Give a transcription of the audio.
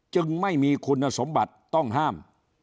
จึงไม่มีคุณสมบัติต้องห้าม